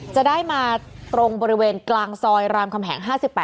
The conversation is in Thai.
จะได้มาตรงบริเวณกลางซอยรามคำแหง๕๘